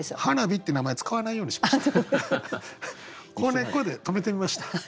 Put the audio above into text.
「はなび」って名前使わないようにしました。